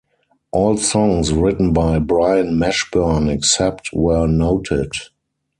All songs written by Brian Mashburn except where noted.